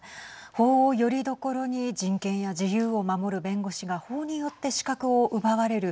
法をよりどころに人権や自由を守る弁護士が法によって資格を奪われる